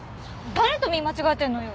誰と見間違えてるのよ！